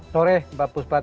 sore mbak buspad